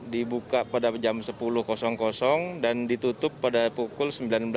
dibuka pada jam sepuluh dan ditutup pada pukul sembilan belas